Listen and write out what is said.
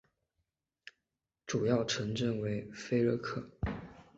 主要城镇为菲热克。